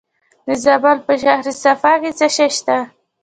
د زابل په شهر صفا کې څه شی شته؟